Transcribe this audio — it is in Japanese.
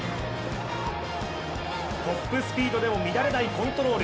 トップスピードでも乱れないコントロール。